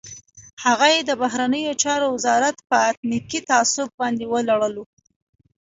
هغه یې د بهرنیو چارو وزارت په اتنیکي تعصب باندې ولړلو.